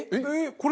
これ。